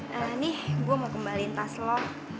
nah nih gue mau kembaliin tas lo